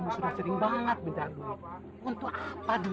besok saya datang kembali lagi untuk mengambil kekurangannya